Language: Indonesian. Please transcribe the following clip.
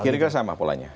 kiri kiri sama polanya